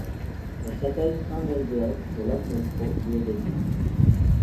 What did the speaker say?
La chapelle Saint-Meldéoc de Locmeltro lui est dédiée.